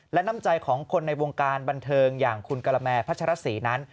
และน้ำใจของคนในวงการบันเทิงอย่างคุณกะละแมพัชรศรีนั้น